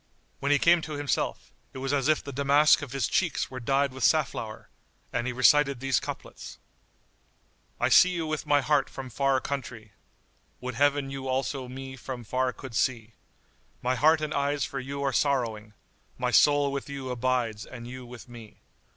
When he came to himself, it was as if the damask of his cheeks were dyed with safflower,[FN#83] and he recited these couplets:— I see you with my heart from far countrie * Would Heaven you also me from far could see My heart and eyes for you are sorrowing; * My soul with you abides and you with me.